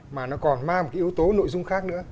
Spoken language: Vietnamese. mà nó còn mang một cái yếu tố nội dung khác nữa